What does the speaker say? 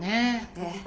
ええ。